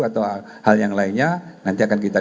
atau hal yang lainnya nanti akan kita